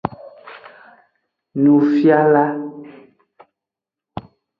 Nufiala.